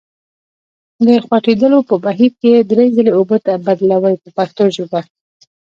د خوټېدلو په بهیر کې یې درې ځلې اوبه بدلوئ په پښتو ژبه.